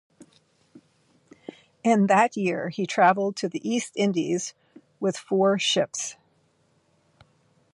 In that year, he traveled to the East Indies with four ships.